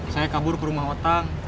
saya kabur ke rumah otak